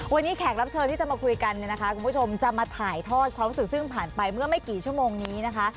วันนี้แขกรับเชิญที่จะมาคุยกันเนี่ยนะคะคุณผู้ชมจะมาถ่ายทอดความรู้สึกซึ่งผ่านไปเมื่อไม่กี่ชั่วโมงนี้นะคะ